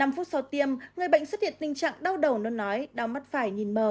năm phút sau tiêm người bệnh xuất hiện tình trạng đau đầu nôn nói đau mắt phải nhìn mờ